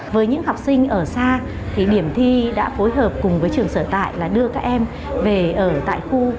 với những học sinh ở xa thì điểm thi đã phối hợp cùng với trường sở tại là đưa các em về ở tại khu